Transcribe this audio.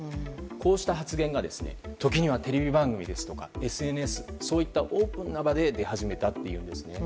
こうした発言が時にはテレビ番組、ＳＮＳなどオープンな場で出始めたというんです。